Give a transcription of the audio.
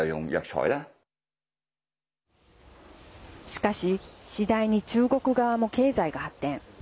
しかし、次第に中国側も経済が発展。